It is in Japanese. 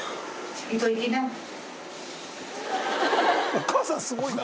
お母さんすごいな。